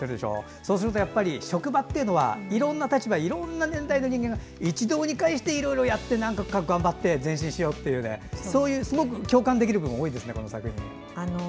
そうすると職場っていうのはいろんな立場いろんな年代の人間が一堂に会してなんとか頑張って前進しようというすごく共感できる部分が多いですね、この作品。